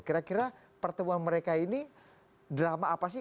kira kira pertemuan mereka ini drama apa sih